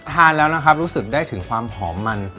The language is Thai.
ทานแล้วนะครับรู้สึกได้ถึงความหอมมัน